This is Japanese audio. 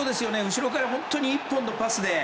後ろから１本のパスで。